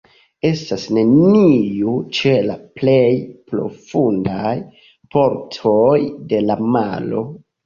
Estas neniu ĉe la plej profundaj partoj de la maro.